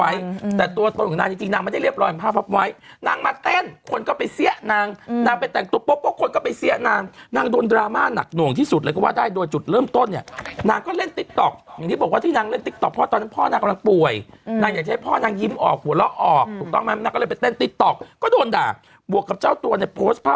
อีก๒๐ปีเลยนับตั้งแต่วันที่น้องชมพู่เสียชีวิต